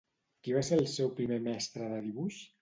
Qui va ser el seu primer mestre de dibuix?